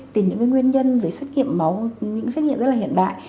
tìm những nguyên nhân về xét nghiệm máu những xét nghiệm rất là hiện đại